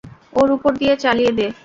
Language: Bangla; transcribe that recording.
ওর উপর দিয়ে চালিয়ে দে।